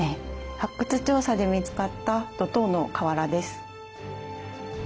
発掘調査で見つかった土塔の瓦です。